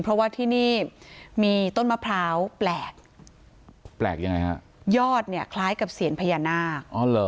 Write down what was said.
เพราะว่าที่นี่มีต้นมะพร้าวแปลกยอดคล้ายกับเศียรพญานาค